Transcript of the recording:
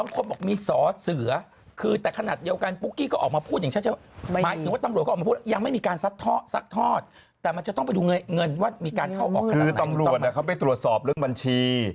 คือตำรวจเนี่ยเขาไปตรวจสอบเรื่องบัญชี